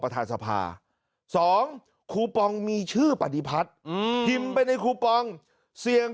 ประธานสภา๒คูปองมีชื่อปฏิพัฒน์พิมพ์ไปในคูปองเสี่ยง